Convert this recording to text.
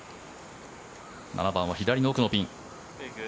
７番は左の奥のピン。